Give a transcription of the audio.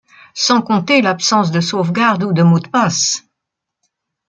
Sans compter l'absence de sauvegardes ou de mot de passe.